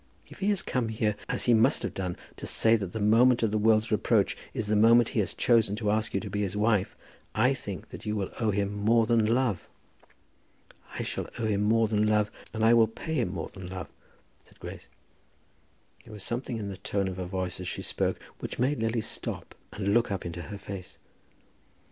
If he has come here, as he must have done, to say that the moment of the world's reproach is the moment he has chosen to ask you to be his wife, I think that you will owe him more than love." "I shall owe him more than love, and I will pay him more than love," said Grace. There was something in the tone of her voice as she spoke which made Lily stop her and look up into her face.